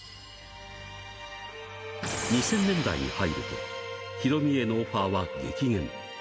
２０００年代に入ると、ヒロミへのオファーは激減。